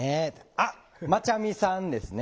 あっまちゃみさんですね。